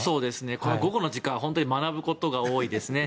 この午後の時間は本当に学ぶことが多いですね。